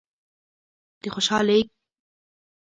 په خوشحالۍ کښېنه، غم هېرېږي.